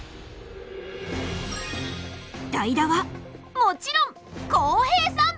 代打はもちろん浩平さん！